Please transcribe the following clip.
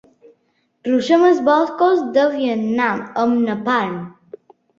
Ruixem els boscos de Vietnam amb napalm.